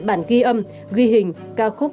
bản ghi âm ghi hình ca khúc